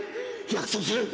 約束する。